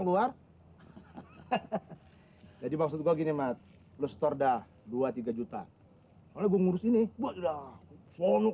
keluar jadi maksud gua gini mat plus torda dua puluh tiga juta kalau gue ngurus ini buatnya sonok